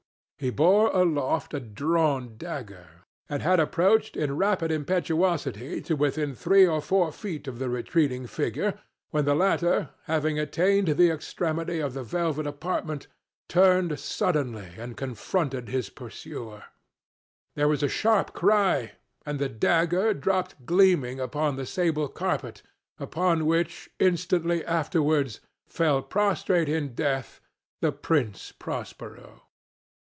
He bore aloft a drawn dagger, and had approached, in rapid impetuosity, to within three or four feet of the retreating figure, when the latter, having attained the extremity of the velvet apartment, turned suddenly and confronted his pursuer. There was a sharp cry—and the dagger dropped gleaming upon the sable carpet, upon which, instantly afterwards, fell prostrate in death the Prince Prospero.